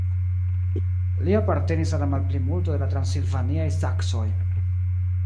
Li apartenis al la malplimulto de la transilvaniaj saksoj.